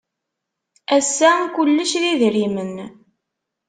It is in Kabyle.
Ass-a kullec d idrimen.